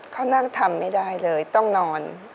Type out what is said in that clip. เขานั่งทำไม่ได้เลยต้องนอน